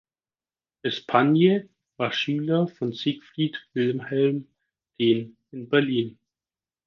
Espagne war Schüler von Siegfried Wilhelm Dehn in Berlin.